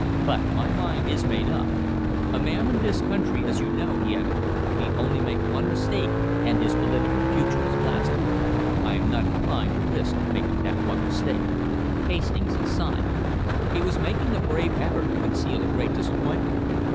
But my mind is made up. A man in this country, as you know," he added, "need make only one mistake and his political future is blasted. I am not inclined to risk making that one mistake." Hastings sighed. He was making a brave effort to conceal a great disappointment.